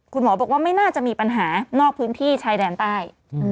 คุณหมอบอกว่าไม่น่าจะมีปัญหานอกพื้นที่ชายแดนใต้